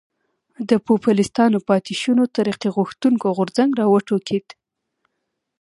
د پوپلستانو پاتې شونو ترقي غوښتونکی غورځنګ را وټوکېد.